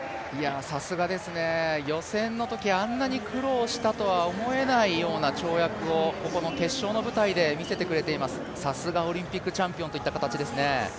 さすがですね、予選のとき、あんなに苦労したとは思えないような跳躍をここの決勝の舞台で見せてくれています、さすがオリンピックチャンピオンという形ですね。